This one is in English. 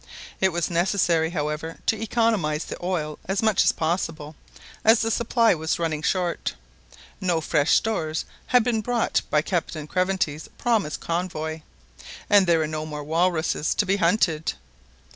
It was necessary, however, to economise the oil as much as possible, as the supply was running short. No fresh stores had been brought by Captain Craventy's promised convoy, and there were no more walruses to be hunted.